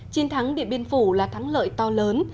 chiến thắng điện biên phủ là thắng lợi to lớn